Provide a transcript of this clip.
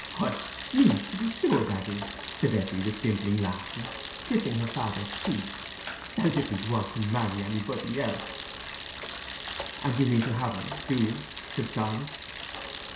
"Why, me, to be sure, daddy," said Eppie, with dimpling laughter, kissing her father's cheek; "as if he'd want to marry anybody else!" "And you mean to have him, do you?" said Silas.